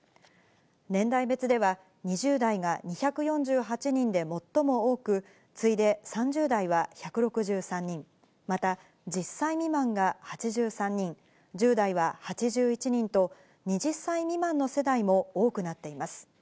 年代別では、２０代が２４８人で最も多く、次いで３０代は１６３人、また１０歳未満が８３人、１０代は８１人と、２０歳未満の世代も多くなっています。